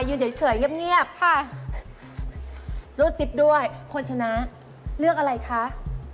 ยืนเฉยเงียบสุดสิบด้วยคนชนะเลือกอะไรคะ